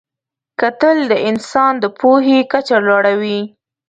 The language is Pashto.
کتل د انسان د پوهې کچه لوړوي